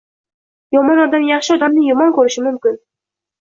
Yomon odam yaxshi odamni yomon ko‘rishi mumkin.